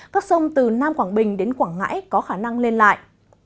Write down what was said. các sông từ nam quảng bình đến quảng ngãi có khả năng lên lại